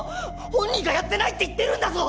本人がやってないって言ってるんだぞ！？